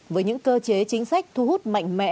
với những cơ chế chính sách thu hút mạnh mẽ